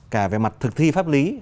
cả về mặt thực thi pháp lý